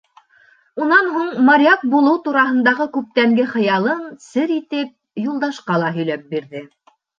Унан һуң моряк булыу тураһындағы күптәнге хыялын сер итеп, Юлдашҡа ла һөйләп бирҙе.